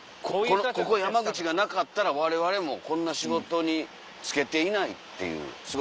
ここ山口がなかったらわれわれもこんな仕事に就けていないっていうすごい。